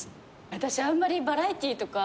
私あんまりバラエティーとか。